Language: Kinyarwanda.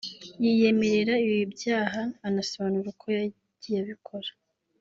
yiyemerera ibi byaha anasobanura uko yagiye abikora